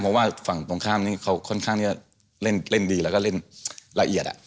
เพราะว่าฝั่งตรงข้ามนี่เขาค่อนข้างที่จะเล่นดีแล้วก็เล่นละเอียด